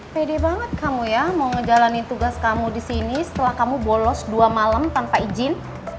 pede banget kamu ya mau ngejalanin tugas kamu disini setelah kamu bolos dua malam tanpa izin